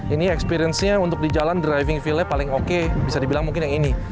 ini experience nya untuk di jalan driving feelnya paling oke bisa dibilang mungkin yang ini